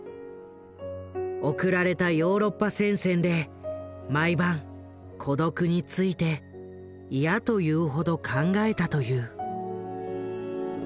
送られたヨーロッパ戦線で毎晩孤独について嫌というほど考えたという。